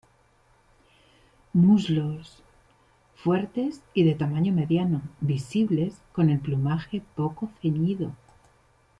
Muslos: fuertes y de tamaño mediano, visibles, con el plumaje poco ceñido.